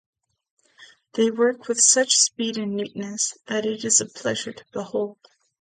They work with such speed and neatness that it is a pleasure to behold.